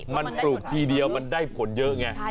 มันปลูกทีเดียวมันได้ผลเยอะไง